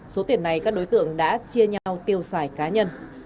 số tiền này các đối tượng đã chia nhau tiêu xài cá nhân